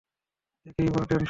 একে বলে টেনশন।